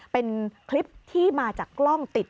เป็นคลิปที่มาจากกล้องติด